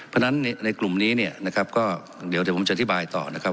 เพราะฉะนั้นในกลุ่มนี้เนี่ยนะครับก็เดี๋ยวผมจะอธิบายต่อนะครับ